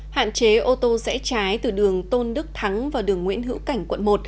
hạn chế ô tô rẽ trái từ đường tôn đức thắng vào đường nguyễn hữu cảnh quận một